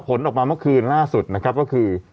ผลออกมาเมื่อคืนล่าสุดนะครับก็คือ